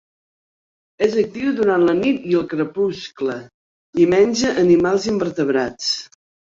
És actiu durant la nit i el crepuscle i menja animals invertebrats.